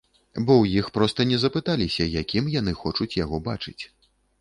Бо ў іх проста не запыталіся, якім яны хочуць яго бачыць.